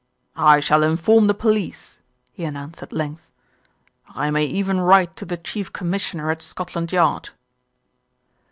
"I shall inform the police," he announced at length. "I may even write to the Chief Commissioner at Scot land Yard."